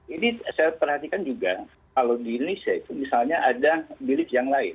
ini saya perhatikan juga kalau di indonesia itu misalnya ada bilik yang lain